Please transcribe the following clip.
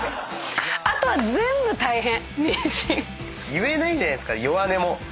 言えないじゃないですか弱音も。